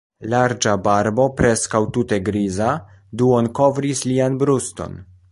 Larĝa barbo, preskaŭ tute griza, duonkovris lian bruston.